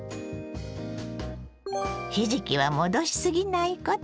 ひじきは戻しすぎないこと。